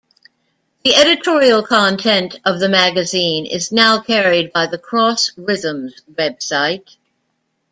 The editorial content of the magazine is now carried by the Cross Rhythms Website.